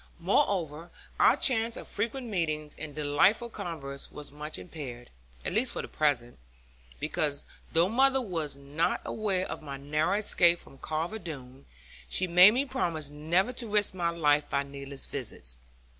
Moreover, our chance of frequent meetings and delightful converse was much impaired, at least for the present; because though mother was not aware of my narrow escape from Carver Doone, she made me promise never to risk my life by needless visits.